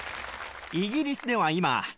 イギリスでは今。